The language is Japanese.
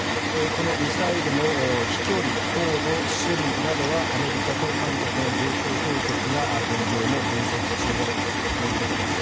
このミサイルの飛距離、高度、種類などはアメリカと韓国の情報当局が現状も分析中だということです。